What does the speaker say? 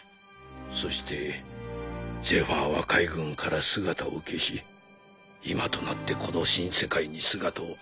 そしてゼファーは海軍から姿を消し今となってこの新世界に姿を現した。